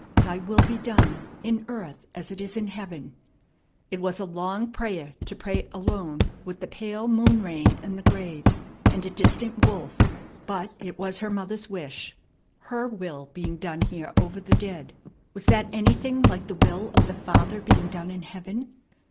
"Thy will be done in earth, as it is in heaven." It was a long prayer to pray, alone with the pale moon rain and the graves, and a distant wolf, but it was her mother's wish. Her will being done here over the dead was that anything like the will of the Father being done in heaven?